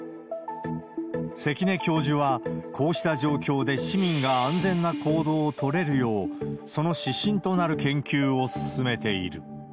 関根教授は、こうした状況で市民が安全な行動を取れるよう、その指針となる研究を進めている。